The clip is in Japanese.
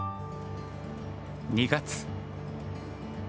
２月。